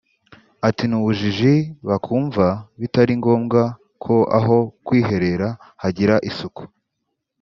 Ati“Ni ubujiji bakumva bitari ngombwa ko aho kwiherera hagira isuku